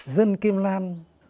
dân kim lan